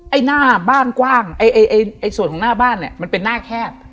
ไอ้หน้าบ้านกว้างไอ้ส่วนของหน้าบ้านเนี่ยมันเป็นหน้าแคบ